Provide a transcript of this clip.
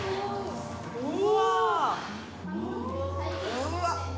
・うわっ！